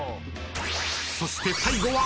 ［そして最後は］